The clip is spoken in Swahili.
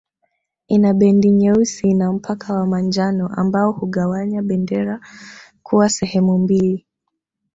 Ina bendi nyeusi na mpaka wa manjano ambao hugawanya bendera kuwa sehemu mbili